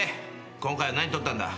今回は何とったんだ？